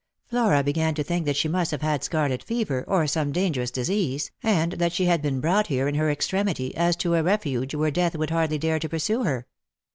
Flora began to think that she must have had scarlet fever, or some dangerous disease, and that she had been brought here in her extremity, 236 .Lost for Love. as to a refuge where Death would hardly dare to pursue her.